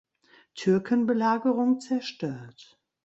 Türkenbelagerung zerstört.